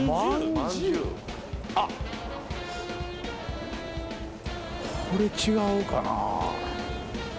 あっこれ違うかな。